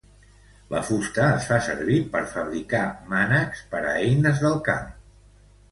La fusta es fa servir per fabricar mànecs per a eines del camp.